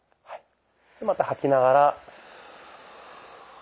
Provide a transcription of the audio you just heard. また吐きながら。